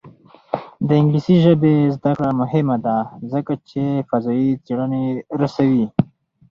د انګلیسي ژبې زده کړه مهمه ده ځکه چې فضايي څېړنې رسوي.